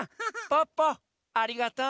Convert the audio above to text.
ポッポありがとう。